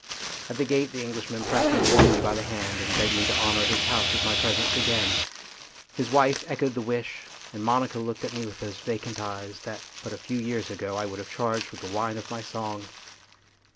At the gate the Englishman pressed me warmly by the hand and begged me to honour his house with my presence again. His wife echoed the wish, and Monica looked at me with those vacant eyes, that but a few years 262 THE GREAT MAN ago I would have charged with the wine of my song.